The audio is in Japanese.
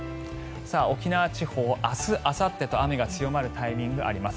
沖縄地方、明日あさってと雨が強まるタイミングがあります。